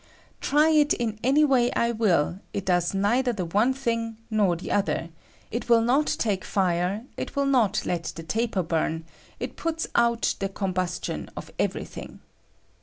Try it in any way I wiU, it does neither the one thing nor the other; it will not take iire ; it will not let the taper bum ; it puts oat the combustioii of every thing.